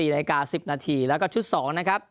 ๔นาฬิกา๑๐นาทีแล้วก็ชุด๒นะครับ